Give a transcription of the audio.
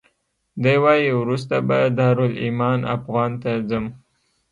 دی وایي وروسته به دارالایمان افغان ته ځم.